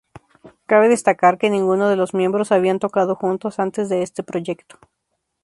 Cabe destacar que ninguno de los miembros habían tocado juntos antes de este proyecto.